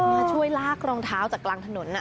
มาช่วยลากรองเท้าจากกลางถนน